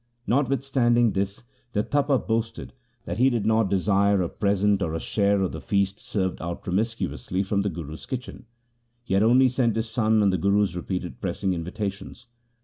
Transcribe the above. Notwithstanding this the Tapa boasted that he did not desire a present or a share of the feast served out promiscuously from the Guru's kitchen. He had only sent his son on the Guru's repeated pressing invitations.